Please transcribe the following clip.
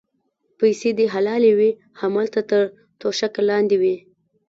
پیسې دې حلالې وې هملته تر توشکه لاندې وې.